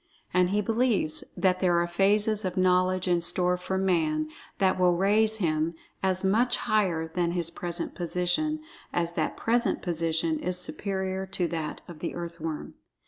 And he believes that there are phases of knowledge in store for Man that will raise him as much higher than his present position, as that present position is superior to that of the earthworm.